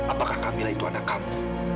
apakah kamilah itu anak kamu